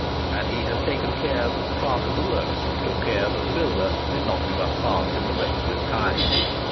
And he had taken care that the Clerk of the Works took care that the builder did not give up heart in the race with time.